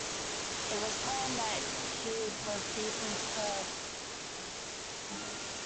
It was plain that he was deeply stirred.